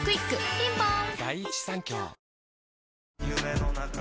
ピンポーン